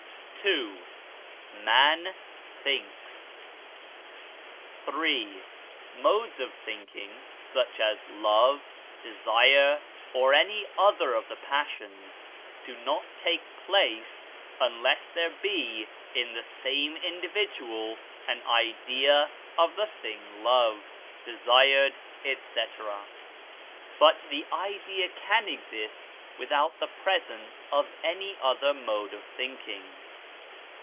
II. Man thinks. III. Modes of thinking, such as love, desire, or any other of the passions, do not take place, unless there be in the same individual an idea of the thing loved, desired, &c. But the idea can exist without the presence of any other mode of thinking.